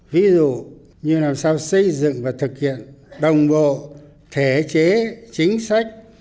ví dụ như làm sao xây dựng và thực hiện đồng bộ thể chế chính sách